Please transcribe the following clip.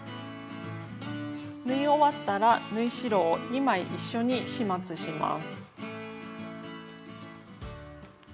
縫い終わったら縫い代を２枚一緒に始末します。